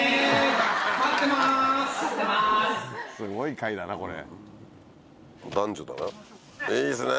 すごい会だなこれ。